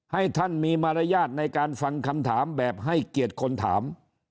ให้ท่านมีมารยาทในการฟังคำถามแบบให้เกียรติคนถาม